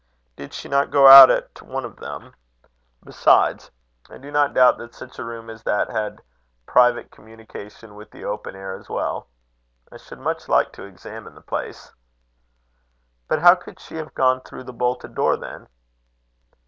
Did she not go out at one of them? Besides, I do not doubt that such a room as that had private communication with the open air as well. I should much like to examine the place." "But how could she have gone through the bolted door then?"